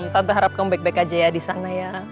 tante harap kamu baik baik aja ya disana ya